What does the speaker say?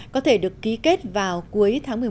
có thể được ký kết vào cuối tháng một mươi một tới đây